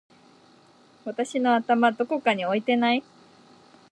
私の頭どこかに置いてない？！